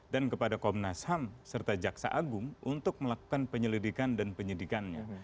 dan kepada komnas ham serta jaksa agung untuk melakukan penyelidikan dan penyidikannya